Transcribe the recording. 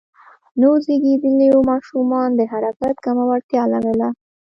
نوو زېږیدليو ماشومان د حرکت کمه وړتیا لرله.